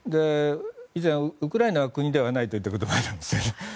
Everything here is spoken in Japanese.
以前、ウクライナは国ではないと言ったこともあるんです。